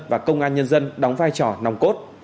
và công an nhân dân đóng vai trò nòng cốt